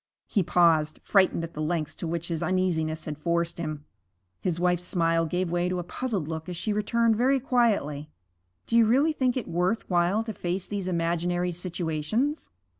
He paused, frightened at the lengths to which his uneasiness had forced him. His wife's smile gave way to a puzzled look as she returned very quietly, 'Do you really think it worth while to face these imaginary situations?'